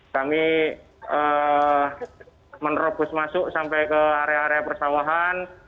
kami menerobos masuk sampai ke area area persawahan